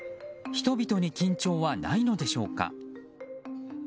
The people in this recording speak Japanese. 人々に緊張はないのでしょうか。